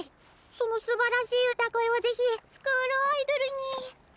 そのすばらしい歌声を是非スクールアイドルに。